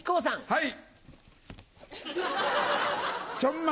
はい。